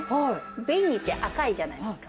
紅って赤いじゃないですか。